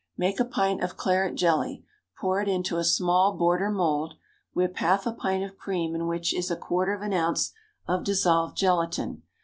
_ Make a pint of claret jelly; pour it into a small border mould; whip half a pint of cream in which is a quarter of an ounce of dissolved gelatine.